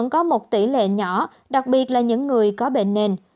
có một tỷ lệ nhỏ đặc biệt là những người có bệnh nền